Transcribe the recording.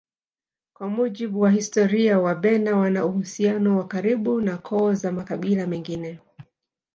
Kwa mujibu wa historia wabena wana uhusiano wa karibu na koo za makabila mengine